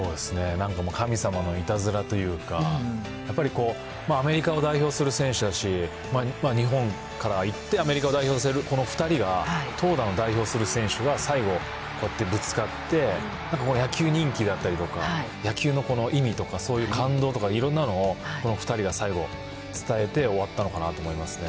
なんかもう神様のいたずらというか、やっぱりこう、アメリカを代表する選手だし、日本からいって、アメリカを代表するこの２人が、投打を代表する選手が最後、こうやってぶつかって、なんか野球人気だったりとか、野球のこの意味とか、そういう感動とかいろんなのを、この２人が最後伝えて終わったのかなと思いますね。